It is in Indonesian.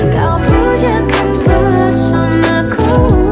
kau pujakan peson aku